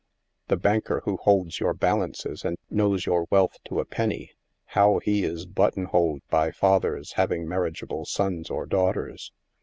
The banker who holds your balances and knows your wealth to a penny, how he is button holed by fathers having marriageable sons or daughters.